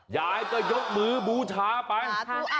ยายก็ยกมือบูช้าเมื่อเมื่อเมื่อ